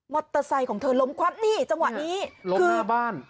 เตอร์ไซค์ของเธอล้มคว่ำนี่จังหวะนี้คือหน้าบ้าน